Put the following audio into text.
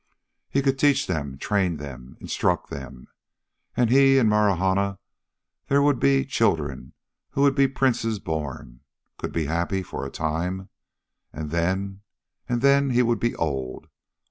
He could teach them, train them, instruct them. And he and Marahna there would be children who would be princes born could be happy for a time. And then ... and then he would be old.